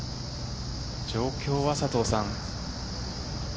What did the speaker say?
状況は、佐藤さん。